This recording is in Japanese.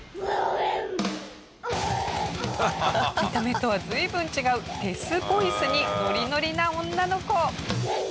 見た目とは随分違うデスボイスにノリノリな女の子。